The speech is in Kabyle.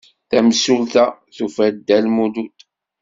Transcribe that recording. Tamsulta tufa-d Dda Lmulud.